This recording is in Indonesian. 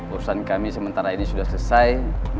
urusan kami sementara ini sudah selesai